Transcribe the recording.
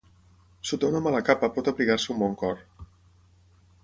Sota una mala capa pot abrigar-se un bon cor.